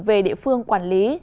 về địa phương quản lý